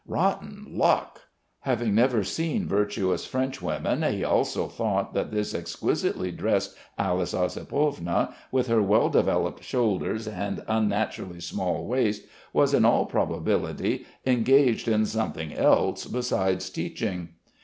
Rotten luck!..." Having never seen virtuous Frenchwomen he also thought that this exquisitely dressed Alice Ossipovna, with her well developed shoulders and unnaturally small waist was in all probability, engaged in something else besides teaching.